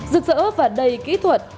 rực rỡ và đầy kỹ thuật